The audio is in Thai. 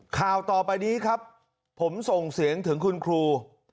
ข่าวต่อไปนี้ครับผมส่งเสียงถึงคุณครู